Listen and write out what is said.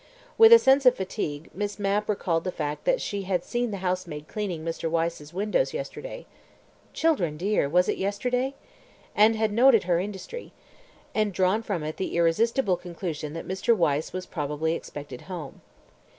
With a sense of fatigue Miss Mapp recalled the fact that she had seen the housemaid cleaning Mr. Wyse's windows yesterday ("Children dear, was it yesterday?") and had noted her industry, and drawn from it the irresistible conclusion that Mr. Wyse was probably expected home.